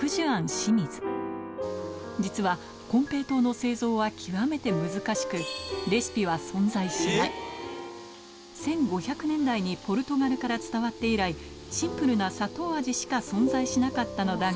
清水実は金平糖の製造は極めて難しく１５００年代にポルトガルから伝わって以来シンプルな砂糖味しか存在しなかったのだが